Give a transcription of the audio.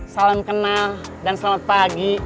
salam kenal dan selamat pagi